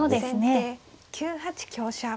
先手９八香車。